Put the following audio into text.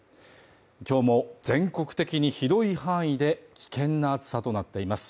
今日も全国的に広い範囲で危険な暑さとなっています